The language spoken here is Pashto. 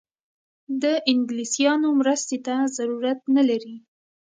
د انګلیسیانو مرستې ته ضرورت نه لري.